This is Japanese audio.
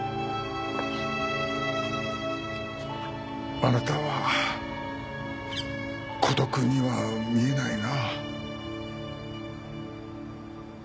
あなたは孤独には見えないな。